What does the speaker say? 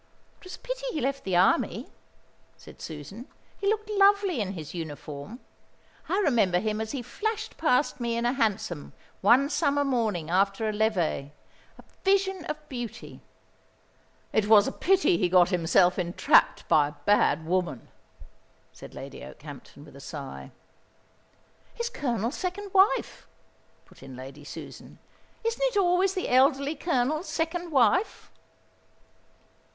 "It was a pity he left the Army," said Susan. "He looked lovely in his uniform. I remember him as he flashed past me in a hansom, one summer morning after a levée, a vision of beauty." "It was a pity he got himself entrapped by a bad woman," said Lady Okehampton with a sigh. "His Colonel's second wife," put in Lady Susan. "Isn't it always the elderly Colonel's second wife?"